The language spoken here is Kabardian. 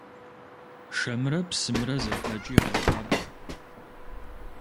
Шэмрэ псымрэ зэхэкӀи гъэхуабэ.